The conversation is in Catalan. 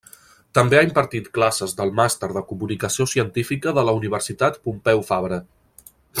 També ha impartit classes del màster de Comunicació Científica de la Universitat Pompeu Fabra.